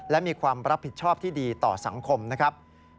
และมีความรับผิดชอบที่ดีต่อสังคมนะครับ